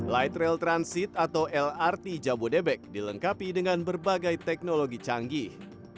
light rail transit atau lrt jabodebek dilengkapi dengan berbagai teknologi canggih